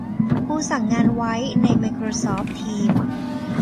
ครูสั่งงานไว้ในไมโครซอฟต์ ทีม